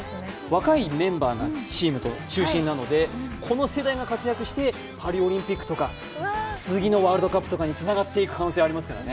若いメンバーがチームの中心なのでこの世代が活躍してパリオリンピックとか次のワールドカップにつながっていく可能性ありますからね。